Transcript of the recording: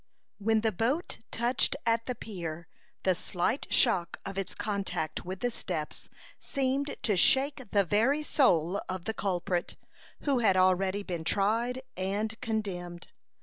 When the boat touched at the pier, the slight shock of its contact with the steps seemed to shake the very soul of the culprit, who had already been tried and condemned.